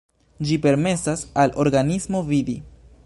Ĝi permesas al organismo vidi.